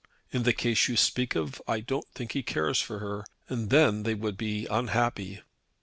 In the case you speak of I don't think he cares for her, and then they would be unhappy."